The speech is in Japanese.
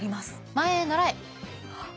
前ならえ。